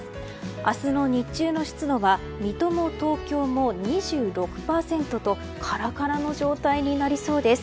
明日の日中の湿度は水戸も東京も２６％とカラカラの状態になりそうです。